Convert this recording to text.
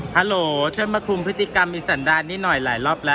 ฮัลโหลเชิญมาคุมพฤติกรรมอิสรันดานนี่หน่อยหลายรอบแล้ว